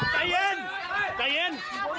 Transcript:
ใจเย็นใจเย็น